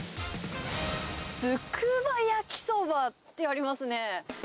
つくば焼きそばってあります